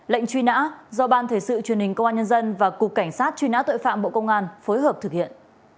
lệnh truy nã do ban thể sự truyền hình công an nhân dân và cục cảnh sát truy nã tội phạm bộ công an phối hợp thực hiện